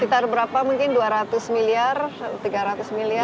sekitar berapa mungkin dua ratus miliar tiga ratus miliar